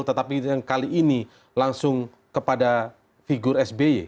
tetapi yang kali ini langsung kepada figur sby